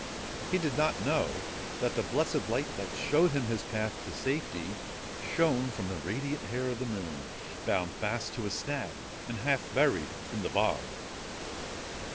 He did not know that the blessed light that showed him his path to safety shone from the radiant hair of the Moon, bound fast to a snag and half buried in the bog.